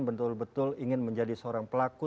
betul betul ingin menjadi seorang pelaku